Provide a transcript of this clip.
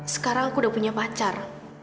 sekarang aku udah punya pacar